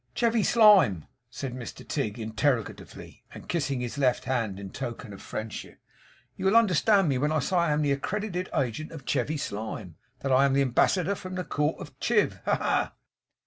'Chevy Slyme?' said Mr Tigg, interrogatively, and kissing his left hand in token of friendship. 'You will understand me when I say that I am the accredited agent of Chevy Slyme; that I am the ambassador from the court of Chiv? Ha ha!